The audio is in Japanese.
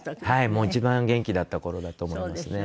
もう一番元気だった頃だと思いますね。